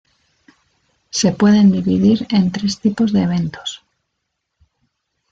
Se pueden dividir en tres tipos de eventos.